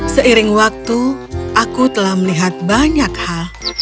seiring waktu aku telah melihat banyak hal